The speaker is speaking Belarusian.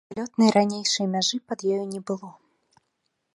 Вылётнай ранейшай мяжы пад ёю не было.